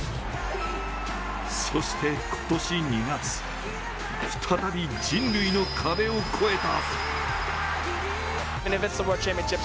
そして今年２月、再び人類の壁を超えた。